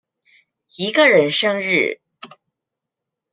一個人生日